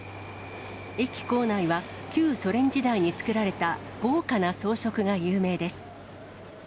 駅構内は旧ソ連時代に作られた豪華な装飾が有名です。